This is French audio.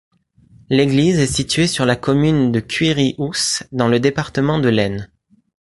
L'église est située sur la commune de Cuiry-Housse, dans le département de l'Aisne.